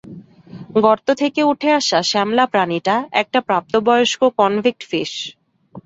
গর্ত থেকে উঠে আসা শ্যামলা প্রাণীটা একটা প্রাপ্তবয়স্ক কনভিক্ট ফিশ।